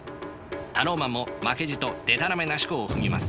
タローマンも負けじとでたらめなしこを踏みます。